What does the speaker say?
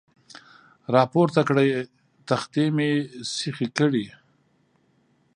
را پورته کړې، تختې ته مې سیخې کړې.